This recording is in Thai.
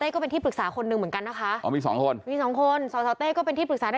ก็ยังปายต่อหน้าแตงมูลดีกว่าท้อนตัว